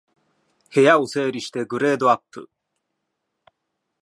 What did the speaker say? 部屋を整理してグレードアップ